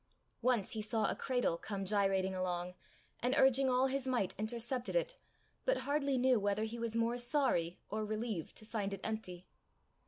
Once he saw a cradle come gyrating along, and, urging all his might, intercepted it, but hardly knew whether he was more sorry or relieved to find it empty.